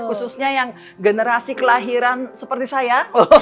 khususnya yang generasi kelahiran seperti saya